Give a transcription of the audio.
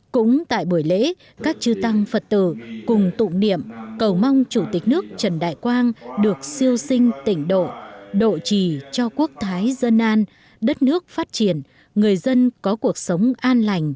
cũng tại buổi lễ các chư tăng phật tử cùng tụng niệm cầu mong chủ tịch nước trần đại quang được siêu sinh tỉnh độ độ trì cho quốc thái dân an đất nước phát triển người dân có cuộc sống an lành